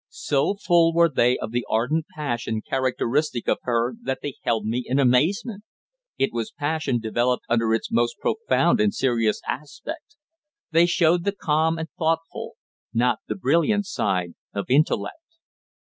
So full were they of the ardent passion characteristic of her that they held me in amazement. It was passion developed under its most profound and serious aspects; they showed the calm and thoughtful, not the brilliant side of intellect.